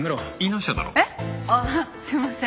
ああすいません。